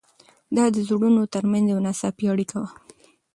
دا د زړونو تر منځ یوه ناڅاپي اړیکه وه.